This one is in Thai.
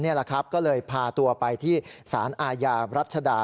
นี่แหละครับก็เลยพาตัวไปที่สารอาญารัชดา